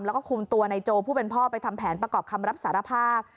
แล้วก็คุมตัวในโจผู้เป็นพ่อไปทำแผนประกอบคำรับสารภาพ